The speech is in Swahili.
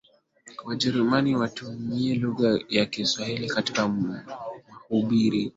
Wajerumani watumie lugha ya Kiswahili katika mahubiri